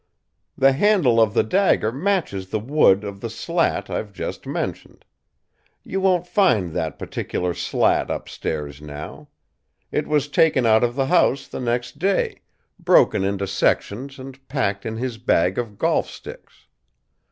"The handle of the dagger matches the wood of the slat I've just mentioned. You won't find that particular slat upstairs now. It was taken out of the house the next day, broken into sections and packed in his bag of golf sticks.